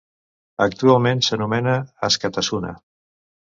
Actualment s'anomena Askatasuna.